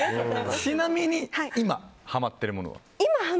ちなみに今ハマってるものは？